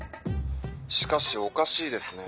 しかしおかしいですね。